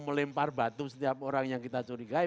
melempar batu setiap orang yang kita curigai